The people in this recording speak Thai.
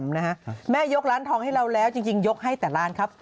แม่ยกร้านทองให้เราแล้วจริงยกให้แต่ร้านครับ